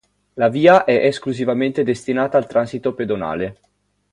La via è esclusivamente destinata al transito pedonale.